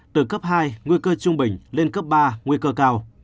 từ cấp hai nguy cơ trung bình lên cấp ba nguy cơ cao